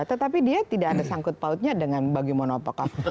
tetapi dia tidak ada sangkut pautnya dengan bagaimana apakah